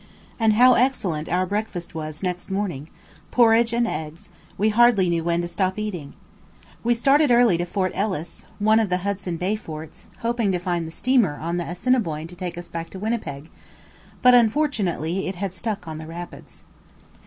And how excellent our breakfast was next morning, porridge and eggs; we hardly knew when to stop eating. We started early to Fort Ellice, one of the Hudson Bay forts, hoping to find the steamer on the Assiniboine to take us back to Winnipeg; but unfortunately it had stuck on the rapids.